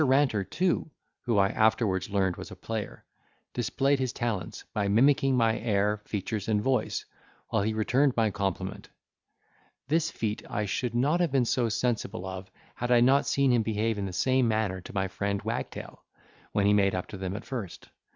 Ranter too (who I afterwards learned was a player) displayed his talents, by mimicking my air, features, and voice, while he returned my compliment: this feat I should not have been so sensible of, had I not seen him behave in the same manner to my friend Wagtail, when he made up to them at first.